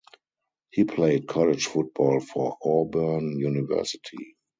He played college football for Auburn University.